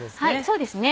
そうですね